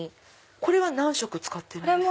これは何色使ってるんですか？